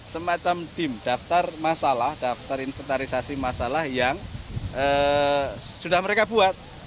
semacam dim daftar masalah daftar inventarisasi masalah yang sudah mereka buat